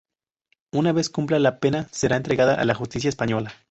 Una vez cumpla la pena, será entregada a la justicia española.